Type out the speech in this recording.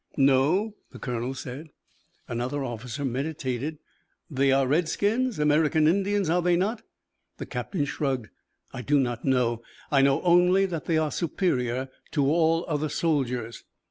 "No," the colonel said. Another officer meditated. "They are redskins, American Indians, are they not?" The captain shrugged. "I do not know. I know only that they are superior to all other soldiers."